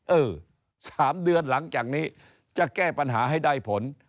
เออ๓เดือนหลังจากนี้จะแก้ปัญหาให้ได้ผล